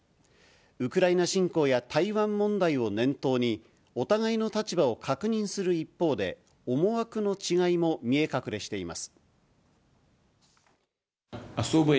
ウクライナ侵攻や台湾問題を念頭に、お互いの立場を確認する一方で、思惑の違いも見え隠れしています。